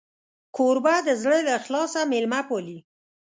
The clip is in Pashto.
کوربه د زړه له اخلاصه میلمه پالي.